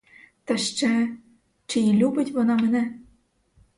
Та ще, чи й любить вона мене?